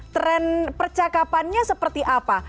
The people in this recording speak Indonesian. tren percakapannya seperti apa